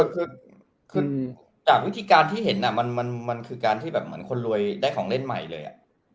คือจากวิธีการที่เห็นมันคือการที่แบบเหมือนคนรวยได้ของเล่นใหม่เลย